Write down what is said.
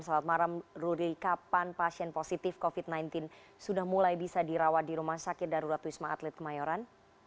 selamat malam rudy kapan pasien positif covid sembilan belas sudah mulai bisa dirawat di rumah sakit darurat wisma atlet kemayoran